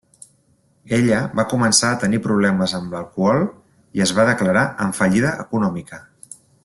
Ella va començar a tenir problemes amb l’alcohol i es va declarar en fallida econòmica.